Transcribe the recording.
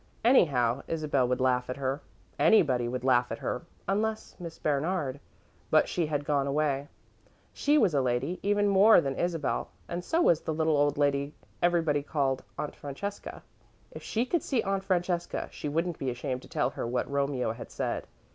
Anyhow, Isabel would laugh at her. Anybody would laugh at her unless Miss Bernard but she had gone away. She was a lady, even more than Isabel, and so was the little old lady everybody called "Aunt Francesca." If she could see "Aunt Francesca," she wouldn't be ashamed to tell her what Romeo had said.